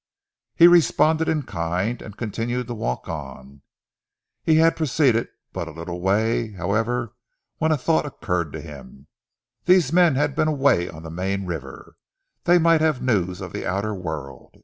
He responded in kind, and continued to walk on. He had proceeded but a little way however when a thought occurred to him. These men had been away on the main river. They might have news of the outer world.